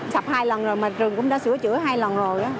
sập hai lần rồi mà rừng cũng đã sửa chữa hai lần rồi